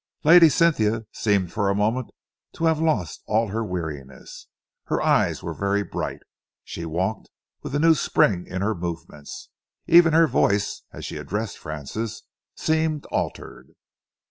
Lady Cynthia seemed for a moment to have lost all her weariness. Her eyes were very bright, she walked with a new spring in her movements. Even her voice, as she addressed Francis, seemed altered.